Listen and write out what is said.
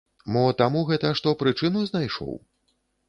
Мо таму гэта, што прычыну знайшоў.